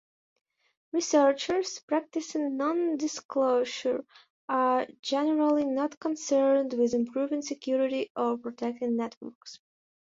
Researchers practicing non disclosure are generally not concerned with improving security or protecting networks.